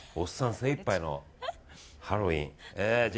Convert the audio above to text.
精いっぱいのハロウィーン。